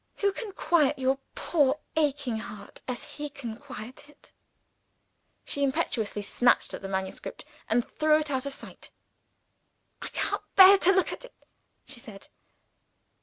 Who can quiet your poor aching heart as he can quiet it?" She impulsively snatched at the manuscript and threw it out of sight. "I can't bear to look at it," she said.